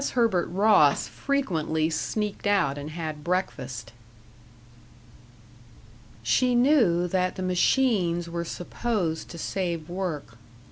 Herbert Ross frequently sneaked out and had breakfast.... She knew that the machines were supposed to save work.